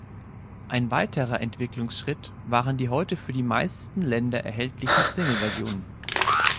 Ein weiterer Entwicklungsschritt waren die heute für die meisten Länder erhältlichen Single-Versionen.